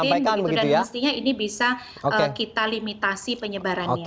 kita limitasi penyebarannya